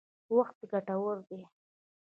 وخت ګټور دی.